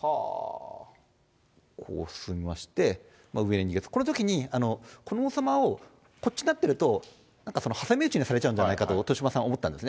こう進みまして、この王様をこっちになってると、なんか挟み撃ちにされちゃうんじゃないかと、豊島さん思ったんですね。